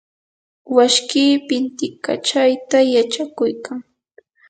washkii pintikachayta yachakuykan.